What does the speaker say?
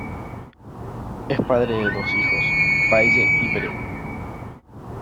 Es padre de dos hijos, Paige y Brett.